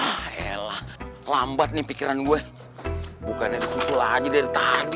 ah elah lambat nih pikiran gue bukannya disusul aja dari tadi